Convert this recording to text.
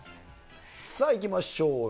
さあいきましょう。